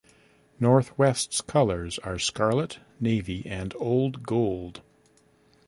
Northwest's colors are scarlet, navy, and old gold.